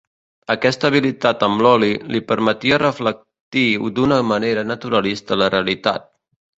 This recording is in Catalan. Aquesta habilitat amb l'oli li permetia reflectir d'una manera naturalista la realitat.